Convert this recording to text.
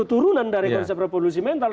keturunan dari konsep revolusi mental